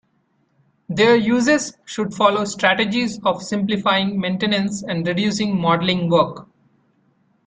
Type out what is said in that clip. Their usage should follow strategies of simplifying maintenance and reducing modeling work.